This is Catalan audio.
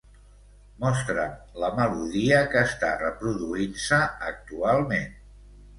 Mostra'm la melodia que està reproduint-se actualment.